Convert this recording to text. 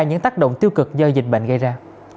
những tác động tiêu cực do dịch bệnh gây ra